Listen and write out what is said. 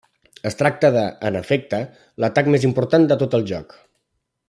Es tracta de, en efecte, l'atac més important de tot el joc.